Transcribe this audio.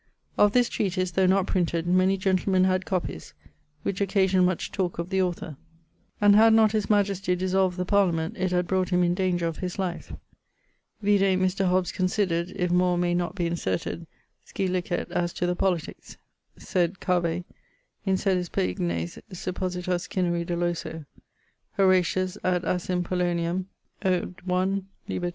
Of this treatise, though not printed, many gentlemen had copies, which occasioned much talke of the author; and had not his majestie dissolved the parliament, it had brought him in danger of his life.' Vide Mr. Hobbes considered, if more may not be inserted, scilicet as to the politiques. Sed cave Incedis per ignes Suppositos cineri doloso. HORATIUS ad Asin. Pollionem, ode 1, lib. 2.